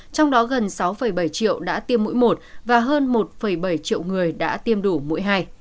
trong đó gần sáu bảy triệu đã tiêm mũi một và hơn một bảy triệu người đã tiêm đủ mũi hai